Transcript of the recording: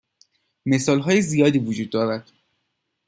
مثال های زیادی وجود دارد.